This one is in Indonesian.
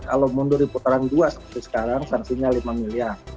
kalau mundur di putaran dua seperti sekarang sanksinya lima miliar